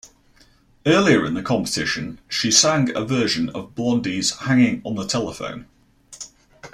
Earlier in the competition she sang a version of Blondie's "Hanging on the Telephone".